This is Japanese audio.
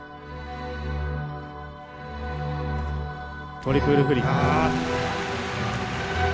トリプルフリップ。